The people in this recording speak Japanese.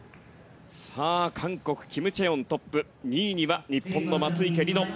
韓国、キム・チェヨン、トップ２位には日本の松生理乃。